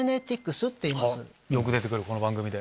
よく出て来るこの番組で。